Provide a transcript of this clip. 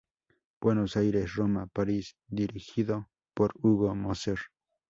Buenos Aires-Roma-París, dirigido por Hugo Moser.